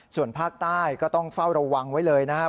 ส่วนภาคใต้ก็ต้องเฝ้าระวังไว้เลยนะครับ